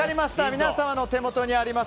皆様のお手元にあります